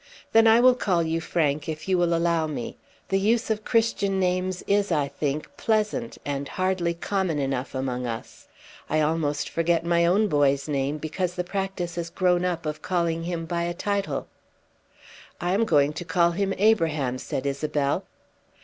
"Then I will call you Frank, if you will allow me. The use of Christian names is, I think, pleasant and hardly common enough among us. I almost forget my own boy's name because the practice has grown up of calling him by a title." "I am going to call him Abraham," said Isabel.